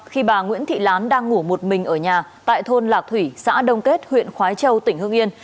khi bà nguyễn thị lán đang ngủ một mình ở nhà tại thôn lạc thủy xã đông kết huyện khói châu tỉnh hương yên